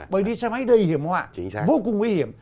bởi đi xe máy đầy hiểm họa vô cùng nguy hiểm